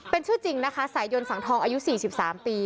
เป็นชื่อจริงนะคะสายยนสังทองอายุ๔๓ปี